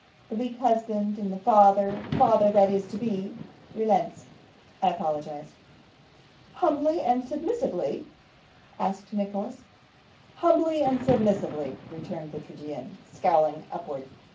The weak husband and the father the father that is yet to be relents. I apologise.' 'Humbly and submissively?' said Nicholas. 'Humbly and submissively,' returned the tragedian, scowling upwards.